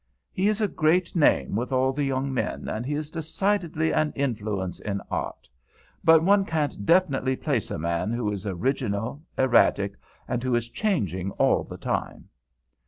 "He is a great name with all the young men, and he is decidedly an influence in art. But one can't definitely place a man who is original, erratic, and who is changing all the time."